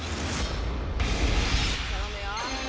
頼むよ！